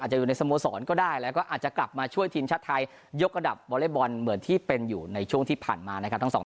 จะอยู่ในสโมสรก็ได้แล้วก็อาจจะกลับมาช่วยทีมชาติไทยยกระดับวอเล็กบอลเหมือนที่เป็นอยู่ในช่วงที่ผ่านมานะครับทั้งสองท่าน